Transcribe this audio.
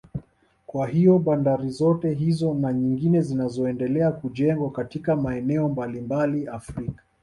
Kwa hiyo bandari zote hizo na nyingine zinazoendelea kujengwa katika maeneo mbalimbali Afrika